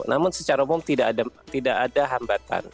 namun secara umum tidak ada hambatan